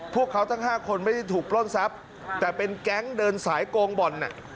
พวกเขาทั้ง๕คนไม่ได้ถูกปล้นทรัพย์แต่เป็นแก๊งเดินสายโกงบ่อน